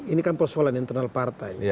ini kan persoalan internal partai